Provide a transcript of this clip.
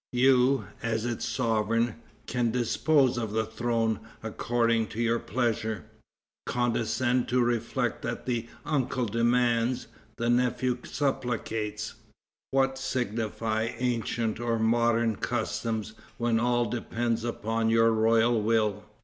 You, as its sovereign, can dispose of the throne according to your pleasure. Condescend to reflect that the uncle demands, the nephew supplicates. What signify ancient or modern customs when all depends upon your royal will?